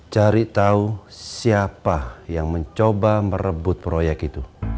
cari tahu siapa yang mencoba merebut proyek itu